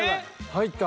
入った。